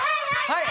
はい！